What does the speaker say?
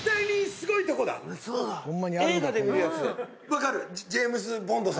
分かる！